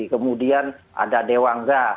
kemudian ada dewang zha